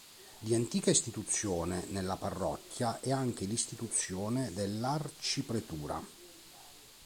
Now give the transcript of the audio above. Di antica istituzione nella parrocchia è anche l’istituzione dell’arcipretura.